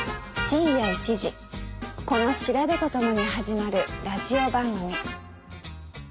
深夜１時この調べとともに始まるラジオ番組。